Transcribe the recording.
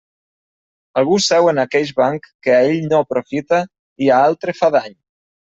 Algú seu en aqueix banc que a ell no aprofita i a altre fa dany.